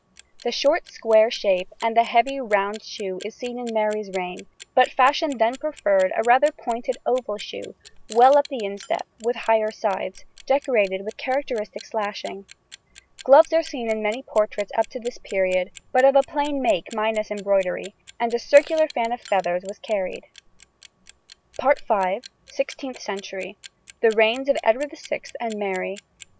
The short square shape and the heavy round shoe is seen in Mary's reign, but fashion then preferred a rather pointed oval shoe, well up the instep with higher sides, decorated with characteristic slashing. Gloves are seen in many portraits up to this period, but of a plain make minus embroidery, and a circular fan of feathers was carried. SIXTEENTH CENTURY. THE REIGNS OF EDWARD VI AND MARY.